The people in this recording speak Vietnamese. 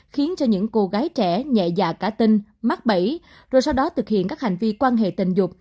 khiến cho những cô gái trẻ nhẹ dạ cả tin mắc bẫy rồi sau đó thực hiện các hành vi quan hệ tình dục